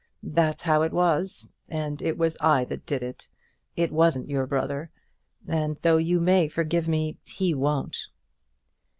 That's how it was, and it was I that did it. It wasn't your brother; and though you may forgive me, he won't."